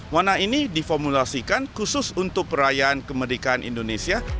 warna ini diformulasikan khusus untuk perayaan kemerdekaan indonesia